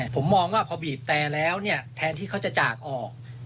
ผมมองว่าพอบีบแต่แล้วเนี่ยแทนที่เขาจะจากออก